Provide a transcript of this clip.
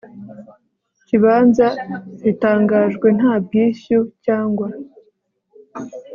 kibanza ritangajwe nta bwishyu cyangwa